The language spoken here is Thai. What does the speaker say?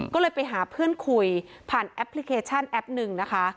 ก็เลยไปหาเพื่อนคุยผ่านแอปพลิเคชันแอปหนึ่งนะคะ